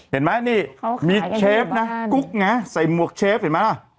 เห็นไหมนี่มีเชฟนะกุ๊กไงใส่หมวกเชฟเห็นไหมล่ะ